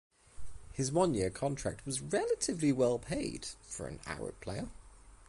His one-year contract was relatively well paid for an Arab player.